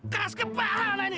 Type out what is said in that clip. keras kepala ini